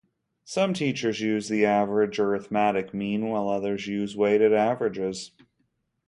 Some teachers use the average, or arithmetic mean, while others use weighted averages.